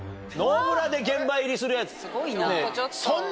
すごいな。